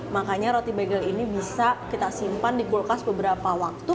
makanya roti bagel ini bisa kita simpan di kulkas beberapa waktu